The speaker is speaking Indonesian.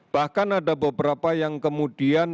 bahkan ada beberapa yang kemudian